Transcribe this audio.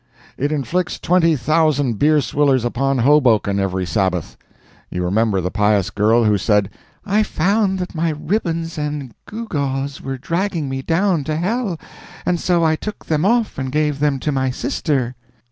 It inflicts twenty thousand beer swillers upon Hoboken every Sabbath. You remember the pious girl who said, "I found that my ribbons and gew gaws were dragging me down to hell, and so I took them off and gave them to my sister."